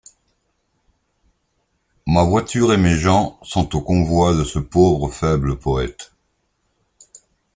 Ma voiture et mes gens sont au convoi de ce pauvre faible poète.